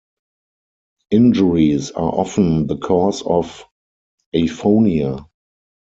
Injuries are often the cause of aphonia.